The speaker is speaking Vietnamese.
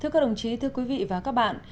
thưa các đồng chí thưa quý vị và các bạn